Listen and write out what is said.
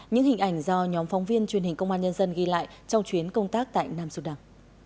những hình ảnh do nhóm phóng viên truyền hình công an nhân dân ghi lại trong chuyến công tác tại nam sudan